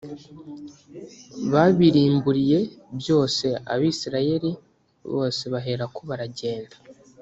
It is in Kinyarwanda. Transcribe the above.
babirimburiye byose abisirayeli bose baherako baragenda